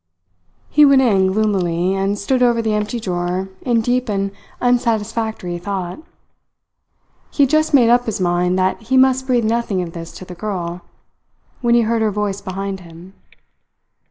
He went in gloomily, and stood over the empty drawer in deep and unsatisfactory thought. He had just made up his mind that he must breathe nothing of this to the girl, when he heard her voice behind him.